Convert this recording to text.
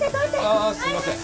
あっすいません。